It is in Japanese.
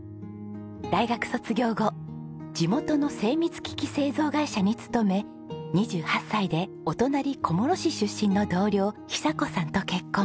大学卒業後地元の精密機器製造会社に勤め２８歳でお隣小諸市出身の同僚寿子さんと結婚。